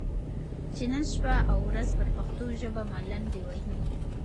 چې نن شپه او ورځ پر پښتو ژبه ملنډې وهي،